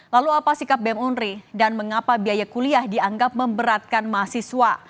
lalu apa sikap bem onre dan mengapa biaya kuliah dianggap memberatkan mahasiswa